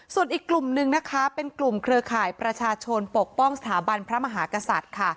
ส่วนอีกกลุ่มหนึ่งนะคะเป็นกลุ่มเครือข่ายประชาชนปกป้องสถาบันพระมหากษัตริย์ค่ะ